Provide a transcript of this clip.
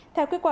theo kết quả